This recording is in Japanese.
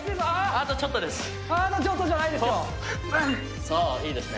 あとちょっとです。